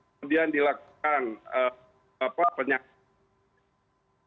kemudian dilakukan penyelidikan